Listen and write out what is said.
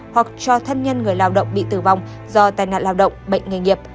hoặc cho thân nhân người lao động bị tử vong do tai nạn lao động bệnh nghề nghiệp